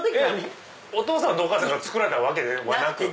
お父さんとお母さんが作られたわけではなく。